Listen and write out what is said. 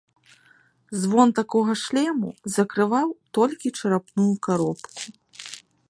Звон такога шлему закрываў толькі чарапную каробку.